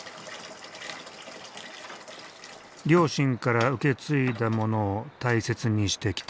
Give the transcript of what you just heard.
両親から受け継いだものを大切にしてきた。